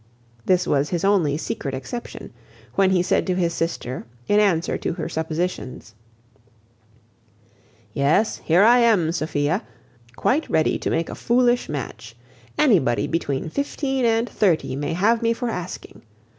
This was his only secret exception, when he said to his sister, in answer to her suppositions:— "Yes, here I am, Sophia, quite ready to make a foolish match. Anybody between fifteen and thirty may have me for asking.